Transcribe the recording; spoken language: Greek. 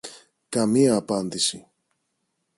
Καμία απάντηση